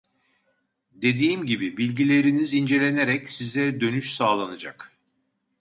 Dediğim gibi bilgileriniz incelenerek size dönüş sağlanacak.